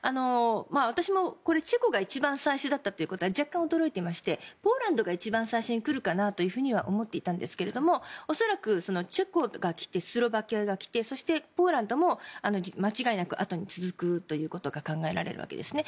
私もチェコが一番最初だったということは若干驚いていましてポーランドが一番最初に来るかなとは思っていたんですが恐らくチェコが来てスロバキアが来てそして、ポーランドも間違いなく後に続くということが考えられるわけですね。